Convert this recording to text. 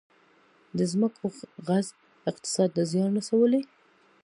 د ځمکو غصب اقتصاد ته زیان رسولی؟